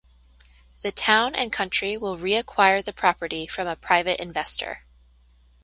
The town and country will reacquire the property from a private investor.